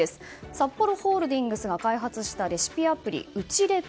サッポロホールディングスが開発したレシピアプリうちれぴ。